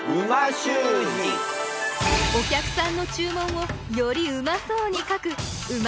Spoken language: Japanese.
お客さんの注文をよりうまそうに書く美味しゅう字に挑戦！